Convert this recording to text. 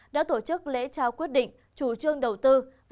đã tổ chức lễ trao quyết định chủ trương đầu tư